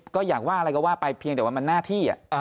ก็อยากว่าอะไรก็ว่าไปเพียงแต่ว่ามันหน้าที่